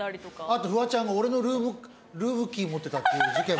あとフワちゃんが俺のルームキー持ってた事件もあって。